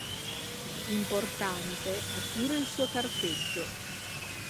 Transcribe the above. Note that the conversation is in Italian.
Importante è pure il suo carteggio.